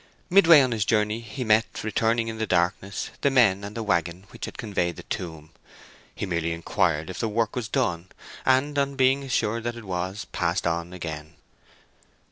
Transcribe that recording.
Midway on his journey he met, returning in the darkness, the men and the waggon which had conveyed the tomb. He merely inquired if the work was done, and, on being assured that it was, passed on again.